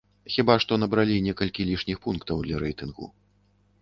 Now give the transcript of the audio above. Хіба што набралі некалькі лішніх пунктаў для рэйтынгу.